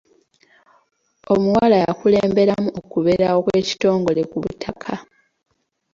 Omuwala yakulemberamu okubeerawo kw'ekitongole ku butaka.